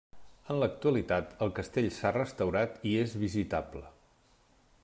En l'actualitat el castell s'ha restaurat i és visitable.